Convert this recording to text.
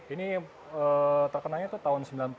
ini terkenalnya itu tahun sembilan puluh an